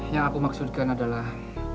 yang aku maksudkan adalah